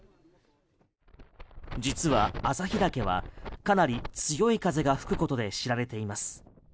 実は朝日岳はかなり強い風が吹くことで知られています。